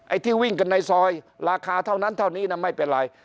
ที่วิ่งกันในซอยราคาเท่านั้นเท่านี้นะไม่เป็นไร